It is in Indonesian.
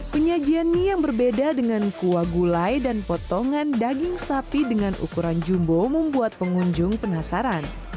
penyajian mie yang berbeda dengan kuah gulai dan potongan daging sapi dengan ukuran jumbo membuat pengunjung penasaran